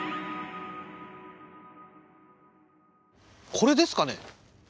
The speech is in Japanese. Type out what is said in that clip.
これですかね？